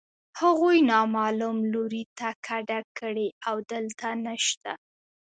هغوی نامعلوم لوري ته کډه کړې او دلته نشته